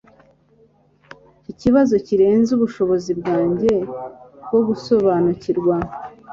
Ikibazo kirenze ubushobozi bwanjye bwo gusobanukirwa.